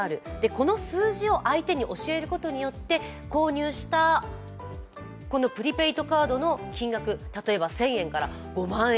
この数字を相手に教えることによって購入したプリペイドカードの金額、例えば１０００円から５万円